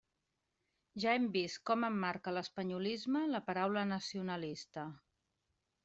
Ja hem vist com emmarca l'espanyolisme la paraula nacionalista.